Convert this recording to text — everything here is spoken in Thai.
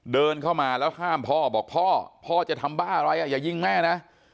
เดินเข้ามาแล้วห้ามพ่อบอกพ่อพ่อจะทำบ้าอะไรอ่ะอย่ายิงแม่นะ